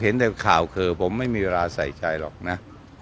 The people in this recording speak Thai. เห็นแต่ข่าวคือผมไม่มีเวลาใส่ใจหรอกนะ